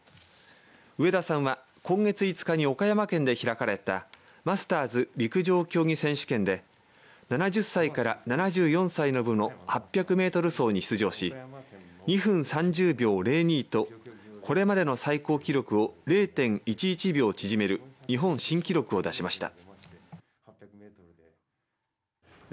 上田さんは今月５日に岡山県で開かれたマスターズ陸上競技選手権で７０歳から７４歳の部の８００メートル走に出場し２分３０秒０２とこれまでの最高記録を０．１１秒縮める日本新記録を出しました。